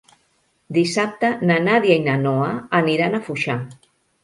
Dissabte na Nàdia i na Noa aniran a Foixà.